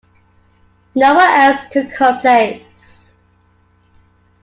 No one else took her place.